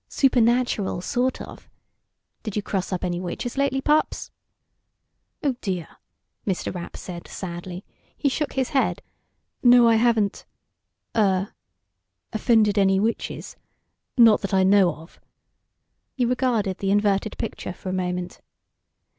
Supernatural, sort of. Did you cross up any witches lately, Pops?" "Oh, dear," Mr. Rapp said sadly. He shook his head. "No, I haven't ... er, offended any witches. Not that I know of." He regarded the inverted picture for a moment.